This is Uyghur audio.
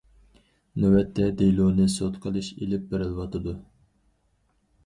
نۆۋەتتە، دېلونى سوت قىلىش ئېلىپ بېرىلىۋاتىدۇ.